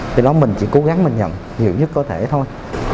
từ đó mình chỉ cố gắng mình nhận nhiều nhất có thể thôi